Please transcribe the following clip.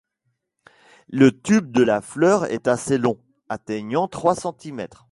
Le tube de la fleur est assez long, atteignant trois centimètres.